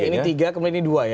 ini tiga kemudian ini dua ya